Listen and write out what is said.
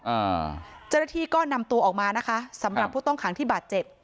อ่าเจ้าหน้าที่ก็นำตัวออกมานะคะสำหรับผู้ต้องขังที่บาดเจ็บ